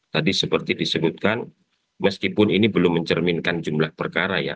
tadi seperti disebutkan meskipun ini belum mencerminkan jumlah perkara ya